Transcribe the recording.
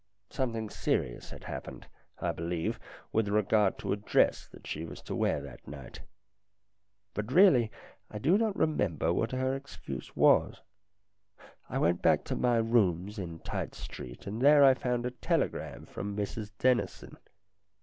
Something serious had happened, I believe, with regard to a dress that she was to wear that night. But, really, I do not remember what her excuse was. I went back to my rooms in Tite Street, and there I found a telegram from Mrs Dennison.